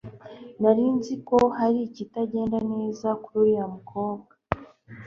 Nari nzi ko hari ikitagenda neza kuri uriya mukobwa